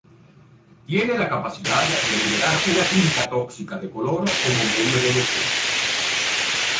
Tienen la capacidad de liberar una tinta tóxica de color como medio de defensa.